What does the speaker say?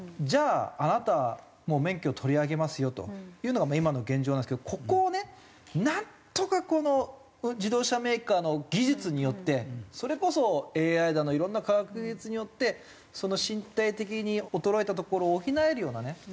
じゃああなたもう免許取り上げますよというのが今の現状なんですけどここをねなんとかこの自動車メーカーの技術によってそれこそＡＩだのいろんな科学技術によってその身体的に衰えたところを補えるようなね